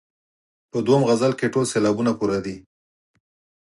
په دوهم غزل کې ټول سېلابونه پوره دي.